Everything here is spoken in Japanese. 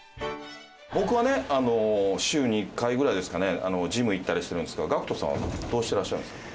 僕はね、週に１回ぐらいですかね、ジム行ったりしてるんですけど、ＧＡＣＫＴさんはどうしてらっしゃるんですか？